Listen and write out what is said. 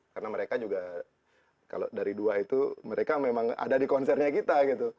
karena mereka juga kalo dari dua itu mereka memang ada di konsernya kita gitu